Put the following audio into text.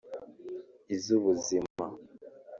iz’ubuzima